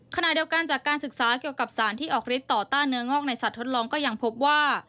ขณะเดียวกันจากการศึกษาเกี่ยวกับสารที่ออกฤทธิต่อต้านเนื้องอกในสัตว์ทดลองก็ยังพบว่า